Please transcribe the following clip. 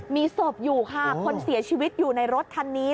มีศพอยู่ค่ะคนเสียชีวิตอยู่ในรถคันนี้